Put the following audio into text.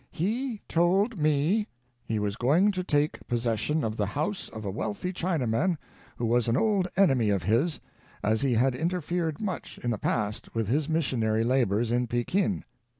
Be told me he was going to take possession of the house of a wealthy Chinaman who was an old enemy of his, as he had interfered much in the past with his missionary labors in Pekin.